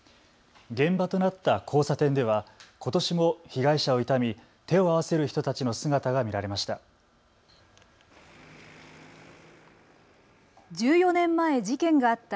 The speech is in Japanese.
現場となった交差点ではことしも被害者を悼み手を合わせる人たちの姿が見られました。